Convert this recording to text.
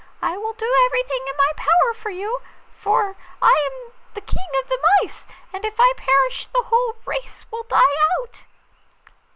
I will do everything in my power for you; for I am the King of the Mice, and if I perish the whole race will die out.